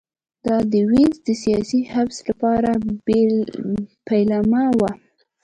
دا د وینز د سیاسي حبس لپاره پیلامه وه